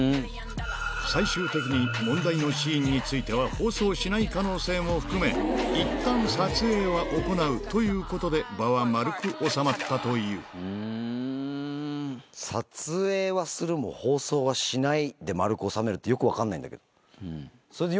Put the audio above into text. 最終的に、問題のシーンについては、放送しない可能性も含め、いったん撮影は行うということで、撮影はするも、放送はしないで丸く収めるって、よく分かんないんだけど。